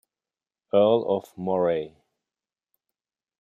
Earl of Moray.